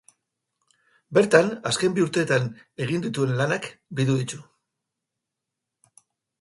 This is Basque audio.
Bertan, azken bi urteetan egin dituen lanak bildu ditu.